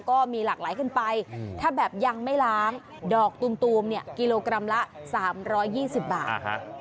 ก็มีหลากหลายขึ้นไปถ้าแบบยังไม่ล้างดอกตูมเนี่ยกิโลกรัมละ๓๒๐บาท